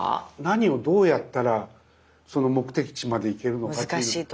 何をどうやったらその目的地まで行けるのかという。